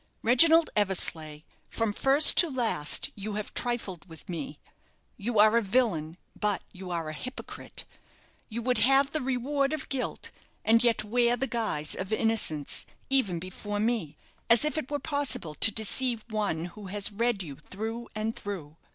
Reginald Eversleigh, from first to last you have trifled with me. You are a villain; but you are a hypocrite. You would have the reward of guilt, and yet wear the guise of innocence, even before me; as if it were possible to deceive one who has read you through and through.